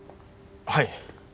はい。